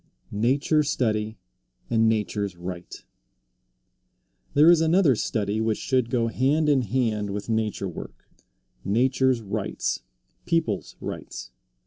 NATURE STUDY AND NATURE'S RIGHT. There is another study which should go hand in hand with nature work nature's rights, people's rights.